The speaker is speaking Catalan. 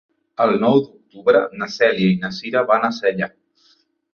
El nou d'octubre na Cèlia i na Cira van a Sella.